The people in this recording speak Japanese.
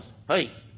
「はい」。